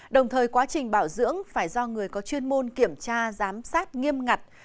đồng thời quá trình bảo dưỡng phải do người có chuyên môn kiểm tra giám sát nghiêm ngặt